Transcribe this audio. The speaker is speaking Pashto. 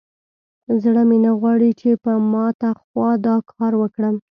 زړه مې نه غواړي چې په ماته خوا دا کار وکړم.